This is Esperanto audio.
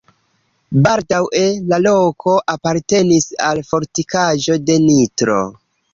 Baldaŭe la loko apartenis al fortikaĵo de Nitro.